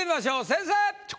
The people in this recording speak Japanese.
先生！